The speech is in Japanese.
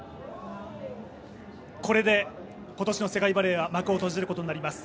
これで今年の世界バレーは幕を閉じることになります。